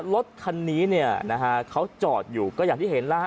รถคันนี้เขาจอดอยู่ก็อย่างที่เห็นล่ะ